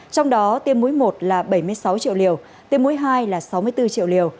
trong đó tiêm mũi một là bảy mươi sáu triệu liều tiêm mũi hai là sáu mươi bốn triệu liều